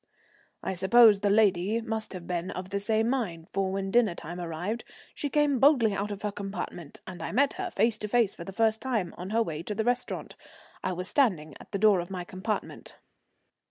I suppose the lady must have been of the same mind, for when dinner time arrived, she came boldly out of her compartment, and I met her face to face for the first time, on her way to the restaurant. I was standing at the door of my compartment.